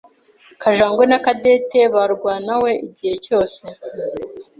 Kajangwe Na Cadette barwanawe igihe cyose.